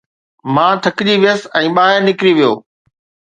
مان ٿڪجي ويس ۽ ٻاهر نڪري ويو